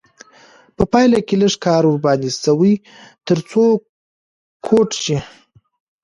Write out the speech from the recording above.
په پایله کې لږ کار ورباندې شوی تر څو کوټ شي.